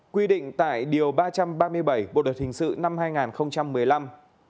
quy định tại điều ba trăm ba mươi bảy bộ luật hình sự năm hai nghìn một mươi năm